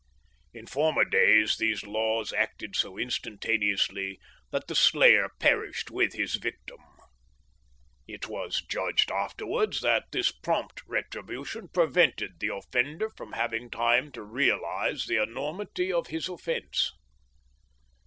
"In former days these laws acted so instantaneously that the slayer perished with his victim. It was judged afterwards that this prompt retribution prevented the offender from having time to realise the enormity of his offence.